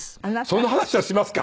その話をしますか？